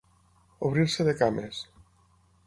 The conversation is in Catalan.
Obrir-se de cames.